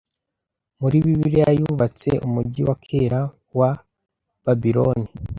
Muri Bibiliya yubatse umujyi wa kera wa Babiloni